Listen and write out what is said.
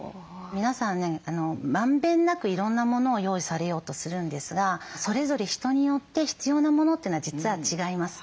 皆さんねまんべんなくいろんなものを用意されようとするんですがそれぞれ人によって必要なものというのは実は違います。